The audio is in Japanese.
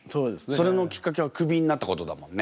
それのきっかけはクビになったことだもんね。